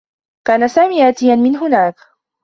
كان سامي آتيًا من هناك.